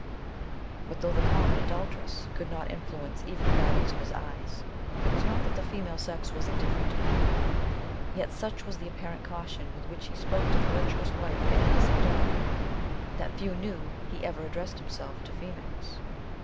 But though the common adultress could not influence even the guidance of his eyes, it was not that the female sex was indifferent to him: yet such was the apparent caution with which he spoke to the virtuous wife and innocent daughter, that few knew he ever addressed himself to females.